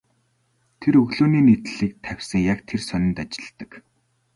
Тэр өглөөний нийтлэлийг тавьсан яг тэр сонинд ажилладаг.